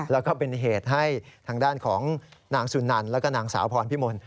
แล้วก็เป็นเหตุให้ทางด้านของนางสุนันแล้วก็นางสาวพรพิมล